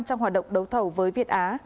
trong hoạt động đấu thầu với việt á